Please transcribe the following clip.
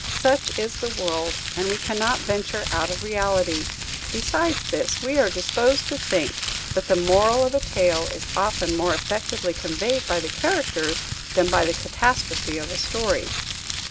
Such is the world; and we cannot venture out of reality. Besides this, we are disposed to think that the moral of a tale is often more effectively conveyed by the characters than by the catastrophe of a story.